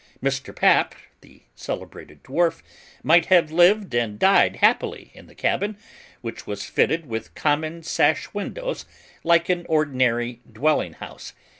Mr. Paap, the celebrated Dwarf, might have lived and died happily in the cabin, which was fitted with common sash windows like an ordinary dwelling house.